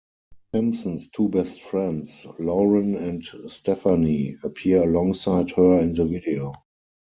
Simpson's two best friends, Lauren and Stephanie, appear alongside her in the video.